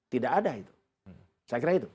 tidak ada itu saya kira itu